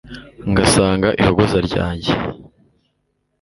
ngasanga ihogoza ryajye